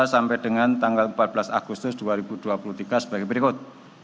sampai dengan tanggal empat belas agustus dua ribu dua puluh tiga sebagai berikut